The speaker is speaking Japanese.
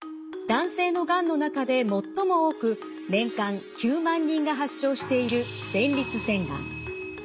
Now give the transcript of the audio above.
男性のがんの中で最も多く年間９万人が発症している前立腺がん。